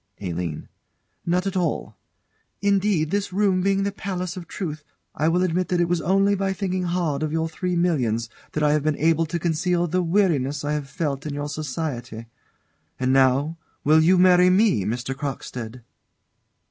ALINE. Not at all. Indeed, this room being the Palace of Truth, I will admit that it was only by thinking hard of your three millions that I have been able to conceal the weariness I have felt in your society. And now will you marry me, Mr. Crockstead?